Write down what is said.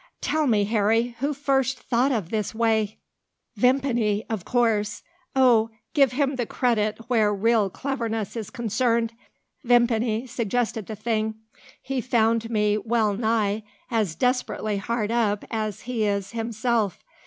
"Tell me, Harry, who first thought of this way?" "Vimpany, of course. Oh! give him the credit where real cleverness is concerned. Vimpany suggested the thing. He found me well nigh as desperately hard up as he is himself.